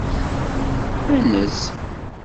Anez.